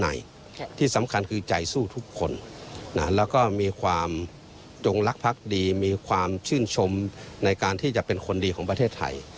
ที่สำคัญคือใจสู้ทุกคนแล้วก็มีความจงลักษ์ดีมีความชื่นชมในการที่จะเป็นคนดีของประเทศไทย